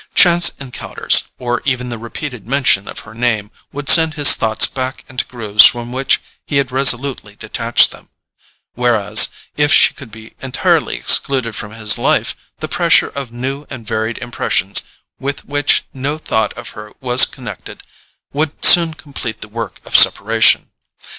Chance encounters, or even the repeated mention of her name, would send his thoughts back into grooves from which he had resolutely detached them; whereas, if she could be entirely excluded from his life, the pressure of new and varied impressions, with which no thought of her was connected, would soon complete the work of separation.